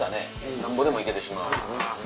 なんぼでもいけてしまう。